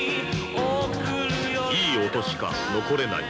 「いい音しか残れない。